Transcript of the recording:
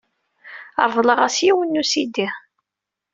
Reḍleɣ-as yiwen n usidi.